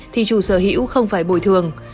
thì chủ sở hữu không phải bồi thường